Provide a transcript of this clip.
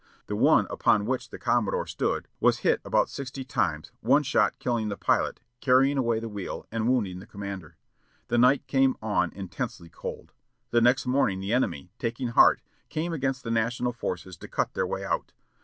The one upon which the commodore stood was hit about sixty times, one shot killing the pilot, carrying away the wheel, and wounding the commander. The night came on intensely cold. The next morning, the enemy, taking heart, came against the national forces to cut their way out.